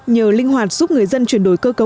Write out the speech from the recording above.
nhờ linh hoạt giúp người dân chuyển đổi cơ cấu